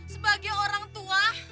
sebagai orang tua